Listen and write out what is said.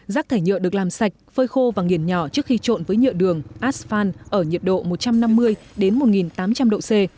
rác thải nhựa được làm sạch phơi khô và nghiền nhỏ trước khi trộn với nhựa đường asfan ở nhiệt độ một trăm năm mươi một nghìn tám trăm linh độ c